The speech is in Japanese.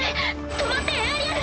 止まってエアリアル！